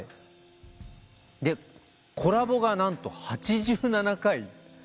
でコラボが何と８７回。